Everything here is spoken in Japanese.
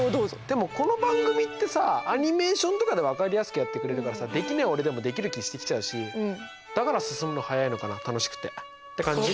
でもこの番組ってさアニメーションとかで分かりやすくやってくれるからできない俺でもできる気してきちゃうしだから進むの早いのかな楽しくて。って感じ？